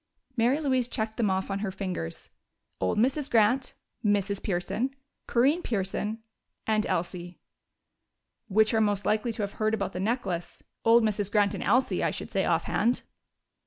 Mary Louise checked them off on her fingers. "Old Mrs. Grant, Mrs. Pearson, Corinne Pearson and Elsie." "Which are most likely to have heard about the necklace? Old Mrs. Grant and Elsie, I should say, offhand."